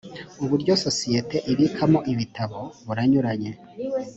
uburyo sosiyete ibikamo ibitabo buranyuranye.